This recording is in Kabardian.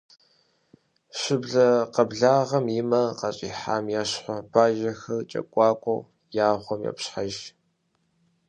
Щыблэ къэблагъэм и мэр къащӏихьам ещхьу, бажэхэр кӏэкуакуэу я гъуэм йопщхьэж.